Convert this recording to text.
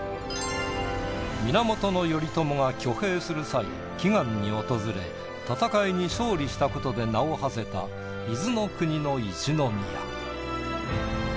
源頼朝が挙兵する際祈願に訪れ戦いに勝利したことで名を馳せた伊豆国一宮。